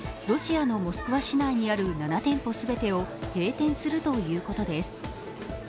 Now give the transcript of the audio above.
ロシアのモスクワ市内にある７店舗全てを閉店するということです。